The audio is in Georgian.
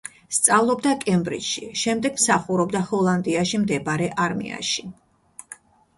სწავლობდა კემბრიჯში, შემდეგ მსახურობდა ჰოლანდიაში მდებარე არმიაში.